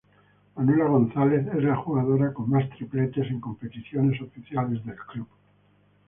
Manuela González es la jugadora con más tripletes en competiciones oficiales del club.